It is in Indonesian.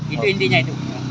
itu intinya itu